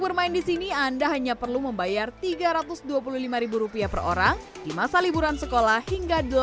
bermain di sini anda hanya perlu membayar tiga ratus dua puluh lima rupiah per orang di masa liburan sekolah hingga